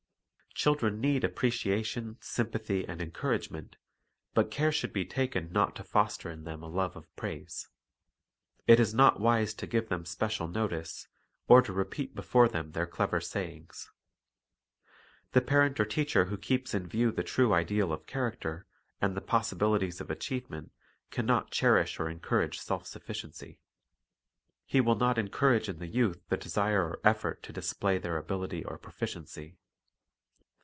Children need appreciation, sympathy, and encour agement, but care should be taken not to foster in them a love of praise. It is not wise to give them special notice, or to repeat before them their clever sayings. The parent or teacher who keeps in view the true ideal of character and the possibilities of achieve ment, can not cherish or encourage self sufficiency. He will not encourage in the youth the desire or effort to display their ability or proficiency.